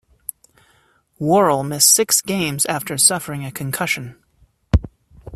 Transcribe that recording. Worrell missed six games after suffering a concussion.